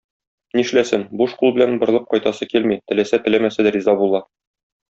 Нишләсен, буш кул белән борылып кайтасы килми, теләсә-теләмәсә дә риза була.